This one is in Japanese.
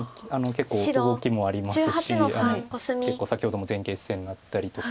結構動きもありますし結構先ほども前傾姿勢になったりとか。